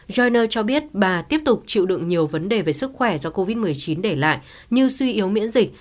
johner cho biết bà tiếp tục chịu đựng nhiều vấn đề về sức khỏe do covid một mươi chín để lại như suy yếu miễn dịch